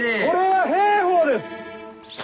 これは兵法です。